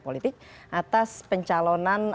politik atas pencalonan